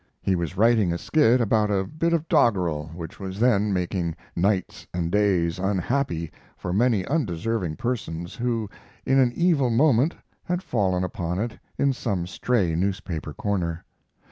He was writing a skit about a bit of doggerel which was then making nights and days unhappy for many undeserving persons who in an evil moment had fallen upon it in some stray newspaper corner.